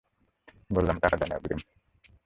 বললাম টাকা দেন অগ্রিম।